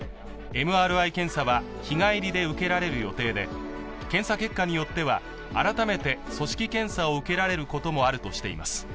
ＭＲＩ検査は日帰りで受けられる予定で検査結果によっては改めて組織検査を受けられることもあるとしています。